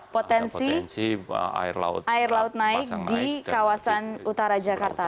potensi air laut naik di kawasan utara jakarta